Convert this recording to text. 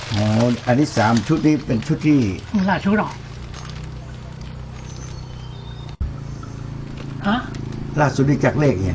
อันนี้สามชุดที่เป็นชุดที่ราชุดเหรอฮะราชุดที่จากเลขเห็น